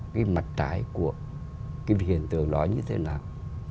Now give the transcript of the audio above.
cái mặt trái của cái hiện tượng đó như thế nào